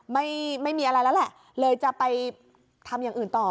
ไม่มีอะไรแล้วแหละเลยจะไปทำอย่างอื่นต่อ